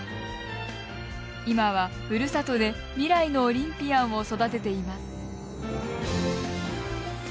今は、ふるさとで未来のオリンピアンを育てています。